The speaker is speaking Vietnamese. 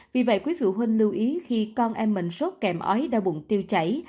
vì vậy quý phụ huynh lưu ý khi con em mình sốt kèm ói đau bụng tiêu chảy